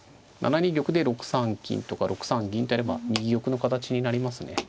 ７二玉で６三金とか６三銀とやれば右玉の形になりますね。